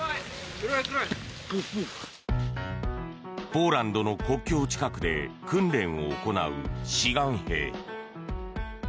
ポーランドの国境近くで訓練を行う志願兵。